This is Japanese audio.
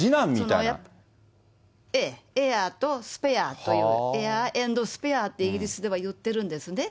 エアとスペアという、エア・エンド・スペアってイギリスではいってるんですね。